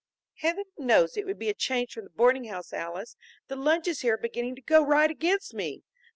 "Heaven knows it would be a change from the boarding house, Alys. The lunches here are beginning to go right against me!